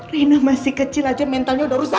rina masih kecil aja mentalnya udah rusak